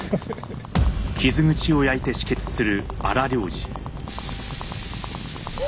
傷口を焼いて止血する荒療治。